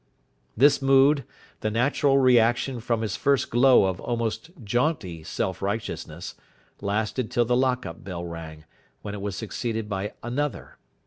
This mood, the natural reaction from his first glow of almost jaunty self righteousness, lasted till the lock up bell rang, when it was succeeded by another.